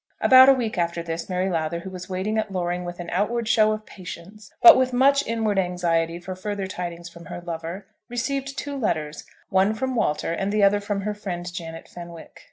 About a week after this Mary Lowther, who was waiting at Loring with an outward show of patience, but with much inward anxiety for further tidings from her lover, received two letters, one from Walter, and the other from her friend, Janet Fenwick.